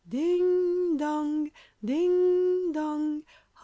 Ding dong! ding dong!